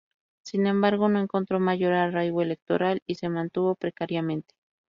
Sin embargo no encontró mayor arraigo electoral y se mantuvo precariamente.